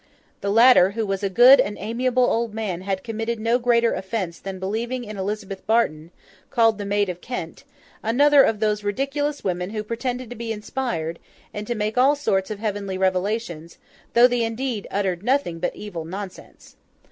The latter, who was a good and amiable old man, had committed no greater offence than believing in Elizabeth Barton, called the Maid of Kent—another of those ridiculous women who pretended to be inspired, and to make all sorts of heavenly revelations, though they indeed uttered nothing but evil nonsense.